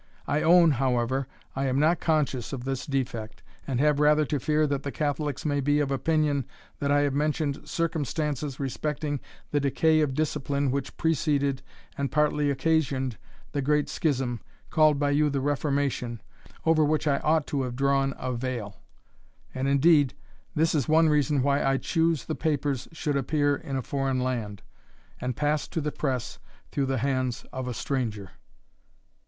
I own, however, I am not conscious of this defect, and have rather to fear that the Catholics may be of opinion, that I have mentioned circumstances respecting the decay of discipline which preceded, and partly occasioned, the great schism, called by you the Reformation, over which I ought to have drawn a veil. And indeed, this is one reason why I choose the papers should appear in a foreign land, and pass to the press through the hands of a stranger."